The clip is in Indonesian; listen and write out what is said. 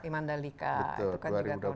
mandalika itu kan juga tahun depan